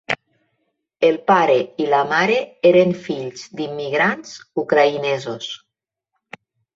El pare i la mare eren fills d'immigrants ucraïnesos.